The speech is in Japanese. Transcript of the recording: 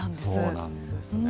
そうなんですね。